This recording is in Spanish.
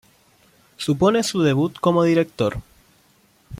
Supone su debut como director.